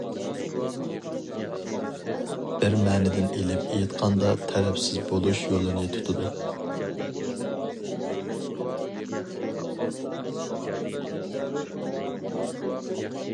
بىر مەنىدىن ئېلىپ ئېيتقاندا تەرەپسىز بولۇش يولىنى تۇتىدۇ.